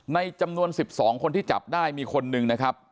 ในจำนวน๑๒คนที่จับได้มีคนหนึ่งนะครับ